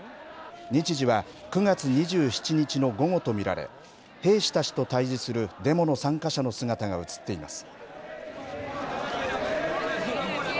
日時は９月２７日の午後と見られ兵士たちと対じするデモの参加者の姿が映っています。